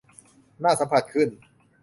น่าสัมผัสขึ้น